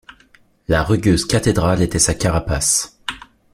La rugueuse cathédrale était sa carapace.